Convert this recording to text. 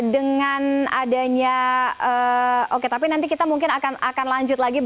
dengan adanya oke tapi nanti kita mungkin akan lanjut lagi